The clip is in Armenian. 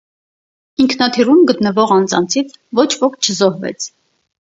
Ինքնաթիռում գտնվող անձանցից ոչ ոք չզոհվեց։